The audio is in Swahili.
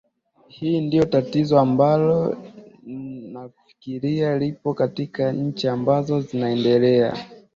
hilo ndio tatizo ambalo nafikiri lipo katika nchi ambazo zinaendelea